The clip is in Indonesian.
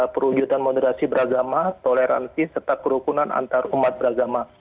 perwujudan moderasi beragama toleransi serta kerukunan antarumat beragama